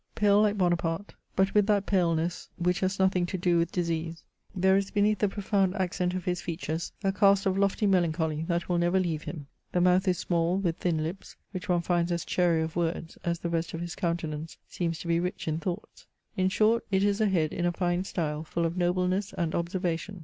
Pale, like Bonaparte, but with that paleness which has nothing to do with disease, there is beneath the profound accent of his features a cast of lofty melancholy that will never leave him. The mouth is small, with thin hps, which one finds as chary of words as the rest of his countenance seems to be rich in thoughts. In short, it is a head in a fine style, full of nobleness and observation.